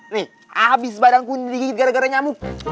nih habis badanku ini gara gara nyamuk